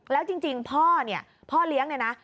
แล้วจริงพ่อเนี่ยพ่อเลี้ยงเนี่ยนะ